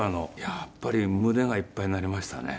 やっぱり胸がいっぱいになりましたね。